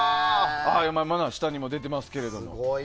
下にも出てますけど。